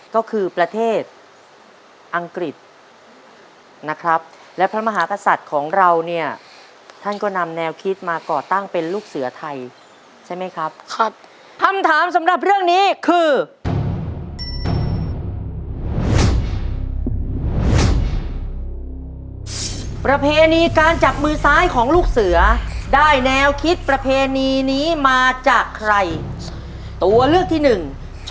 ก็คือประเทศอังกฤษนะครับและพระมหากษัตริย์ของเราเนี่ยท่านก็นำแนวคิดมาก่อตั้งเป็นลูกเสือไทยใช่ไหมครับครับคำถามสำหรับเรื่องนี้คือประเพณีการจับมือซ้ายของลูกเสือได้แนวคิดประเพณีนี้มาจากใครตัวเลือกที่หนึ่ง